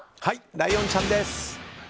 ライオンちゃんです。